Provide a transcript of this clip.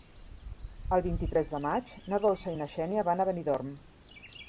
El vint-i-tres de maig na Dolça i na Xènia van a Benidorm.